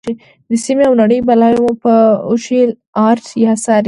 د سیمې او نړۍ بلاوې مو په اوښیártیا څاري.